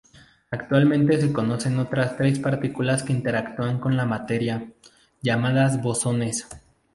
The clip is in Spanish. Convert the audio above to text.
Actualmente se conocen otras tres partículas que interactúan con la materia, llamadas bosones.